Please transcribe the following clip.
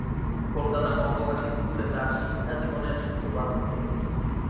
কলকাতার বঙ্গবাসী স্কুলে তার শিক্ষাজীবনের সূত্রপাত ঘটে।